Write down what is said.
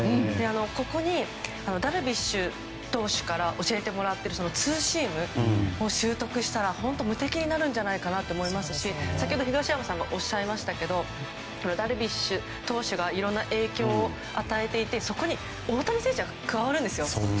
ここにダルビッシュ有投手の教えたツーシームを習得したら無敵になるんじゃないかと思いますし先ほど東山さんがおっしゃいましたけどダルビッシュ投手がいろんな影響を与えていてそこに大谷選手が加わるんです。